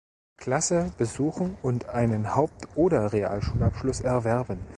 Klasse besuchen und einen Haupt- oder Realschulabschluss erwerben.